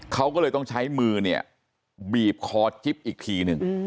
เขาก็เลยต้องใช้มือเนี่ยบีบคอจิ๊บอีกทีหนึ่ง